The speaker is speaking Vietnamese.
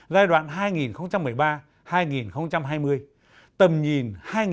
giai đoạn hai nghìn một mươi ba hai nghìn hai mươi tầm nhìn hai nghìn ba mươi